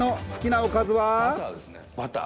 バターですね、バター。